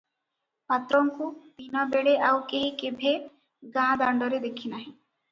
ପାତ୍ରଙ୍କୁ ଦିନବେଳେ ଆଉ କେହି କେଭେ ଗାଁ ଦାଣ୍ଡରେ ଦେଖିନାହିଁ ।